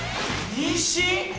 妊娠！？